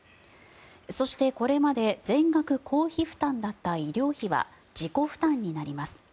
そして、これまで全額公費負担だった医療費は自己負担になります。